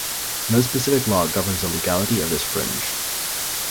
No specific law governs the legality of this fringe.